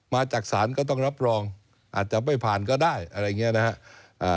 มาจากศาลก็ต้องรับรองอาจจะไม่ผ่านก็ได้อะไรอย่างนี้นะครับ